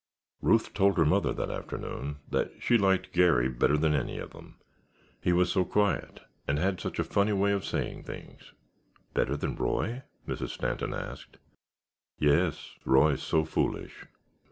Ruth told her mother that afternoon that she liked Garry better than any of them—he was so quiet and had such a funny way of saying things. "Better than Roy?" Mrs. Stanton asked. "Yes, Roy's so foolish."